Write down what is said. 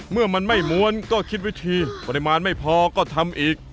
เมื่อมันไม่ม้วนก็คิดวิธีปริมาณไม่พอก็ทำอีก